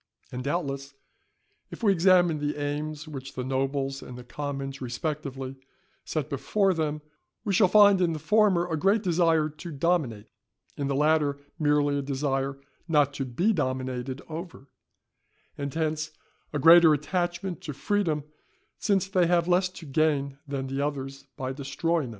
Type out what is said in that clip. And, doubtless, if we examine the aims which the nobles and the commons respectively set before them, we shall find in the former a great desire to dominate, in the latter merely a desire not to be dominated over, and hence a greater attachment to freedom, since they have less to gain than the others by destroying it.